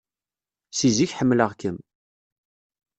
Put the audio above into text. Si zik ḥemmleɣ-kem.